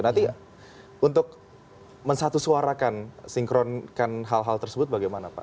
nanti untuk mensatusuarakan sinkronikan hal hal tersebut bagaimana pak